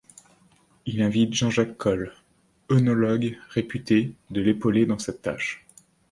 Il invite Jean-Jacques Coll, œnologue réputé de l’épauler dans cette tâche.